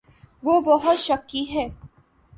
وہ بہت شکی ہے۔